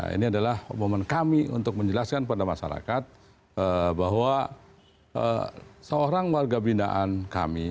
ini adalah momen kami untuk menjelaskan pada masyarakat bahwa seorang warga binaan kami